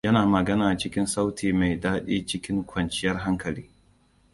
Yana magana cikin sauti mai daɗi cikin kwanciyar hankali.